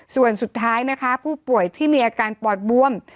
ส่วนสุดท้ายนะคะผู้ป่วยที่มีอาการปอดบวม